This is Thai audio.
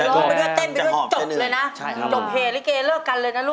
จบกันกันจะหอบจบไปด้วยเต้นไปด้วยจบเลยนะ